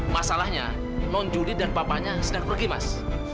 masalahnya non juli dan papanya sedang pergi mas